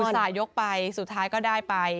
ส่าห์ยกไปสุดท้ายก็ได้ไป